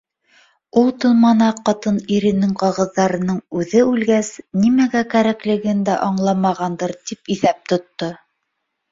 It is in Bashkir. Ул томана ҡатын иренең ҡағыҙҙарының, үҙе улгәс, нимәгә кәрәклеген дә аңламағандыр, тип иҫәп тотто